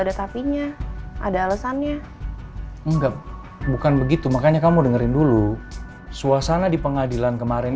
tetapinya ada alesannya enggak bukan begitu makanya kamu dengerin dulu suasana di pengadilan kemarin